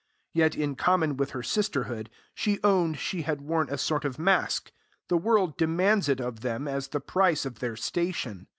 Yet, in common with her sisterhood, she owned she had worn a sort of mask; the world demands it of them as the price of their station.